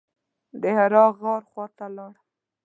د حرا غار خواته لاړم.